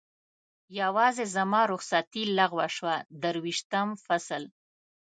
یوازې زما رخصتي لغوه شوه، درویشتم فصل.